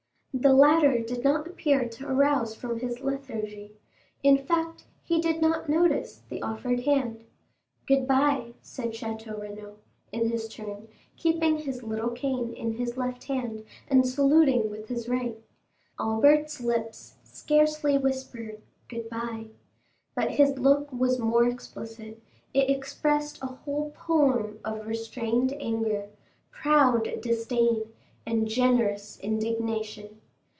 The latter did not appear to arouse from his lethargy; in fact, he did not notice the offered hand. "Good bye," said Château Renaud in his turn, keeping his little cane in his left hand, and saluting with his right. Albert's lips scarcely whispered "Good bye," but his look was more explicit; it expressed a whole poem of restrained anger, proud disdain, and generous indignation.